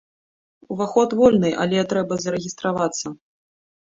Уваход вольны, але трэба зарэгістравацца.